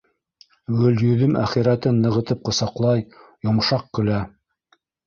Гөлйөҙөм әхирәтен нығытып ҡосаҡлай, йомшаҡ көлә.